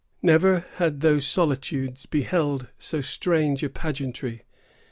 Never had those solitudes beheld so strange a pageantry.